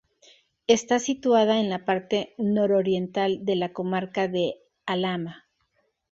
Está situada en la parte nororiental de la comarca de Alhama.